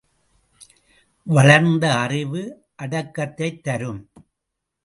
வளர்ந்த அறிவு அடக்கத்தைத் தரும்.